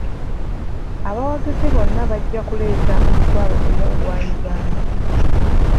Abawagizi bonna bajja kuleeta omutwalo gumu ogwa Uganda.